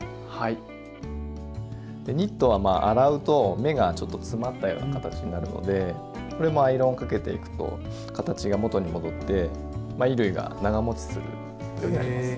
ニットはまあ洗うと目がちょっと詰まったような形になるのでこれもアイロンをかけていくと形が元に戻って衣類が長もちするようになります。